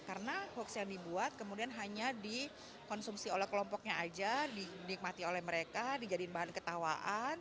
karena hoax yang dibuat kemudian hanya dikonsumsi oleh kelompoknya aja dinikmati oleh mereka dijadiin bahan ketawaan